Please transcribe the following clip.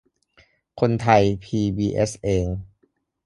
คนไทยพีบีเอสเอง